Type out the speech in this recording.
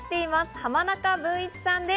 浜中文一さんです。